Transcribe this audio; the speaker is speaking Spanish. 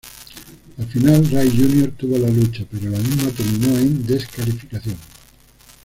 Al final Ray Jr., tuvo la lucha pero la misma terminó en descalificación.